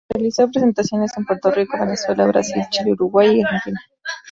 Realizó presentaciones en Puerto Rico, Venezuela, Brasil, Chile Uruguay y Argentina.